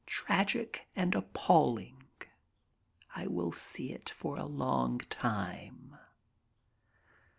Tragic and appalling. I will see it for a long time.